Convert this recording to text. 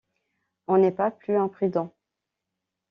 On n’est pas plus imprudent!